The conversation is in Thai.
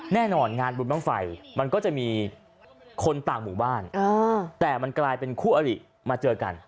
แน่นอนงานบุญบ้างไฟมันก็จะมีคนต่างหมู่บ้านแต่มันกลายเป็นคู่อริมาเจอกัน